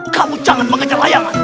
kamu jangan mengejar layangan